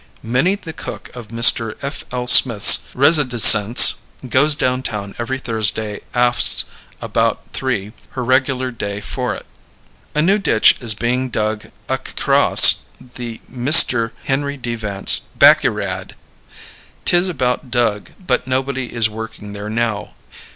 Minnie the cook of Mr. F. L. Smith's residisence goes downtown every Thrusday afts about three her regular day for it. A new ditch is being dug accross the MR. Henry D. Vance backyrad. ;Tis about dug but nobody is working there now.